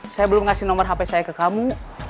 saya belum ngasih nomor hp saya ke kamu